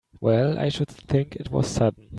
Well I should think it was sudden!